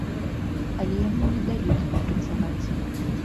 Але яму не далі тут працаваць.